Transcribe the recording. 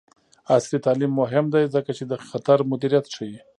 عصري تعلیم مهم دی ځکه چې د خطر مدیریت ښيي.